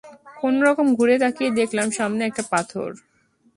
কোনো রকম ঘুরে তাকিয়ে দেখলাম সামনে একটা পাথর।